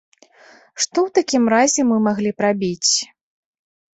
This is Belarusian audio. Што ў такім разе мы маглі б рабіць?